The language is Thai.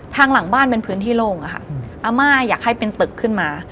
หลังบ้านเป็นพื้นที่โล่งอะค่ะอาม่าอยากให้เป็นตึกขึ้นมา